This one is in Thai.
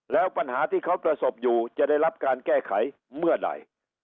แล้วปัญหาที่เขาประสบอยู่จะได้รับการแก้ไขเมื่อไหร่